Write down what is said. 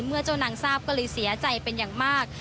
เมื่อเจ้านางทราบก็เลยเสียใจเป็นอย่างมาก